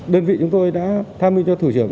đơn vị chúng tôi đã tham minh cho thử dưỡng